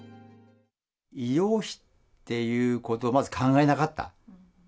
医療費っていうことを、まず考えなかった。